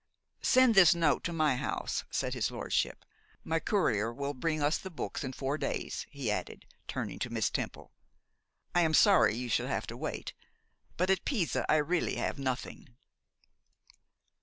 'Send this note to my house,' said his lordship. 'My courier will bring us the books in four days,' he added, turning to Miss Temple. 'I am sorry you should have to wait, but at Pisa I really have nothing.